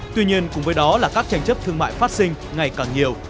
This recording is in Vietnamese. tuy nhiên cùng với đó là các tranh chấp thương mại phát sinh ngày càng nhiều